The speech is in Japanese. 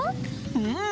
うん！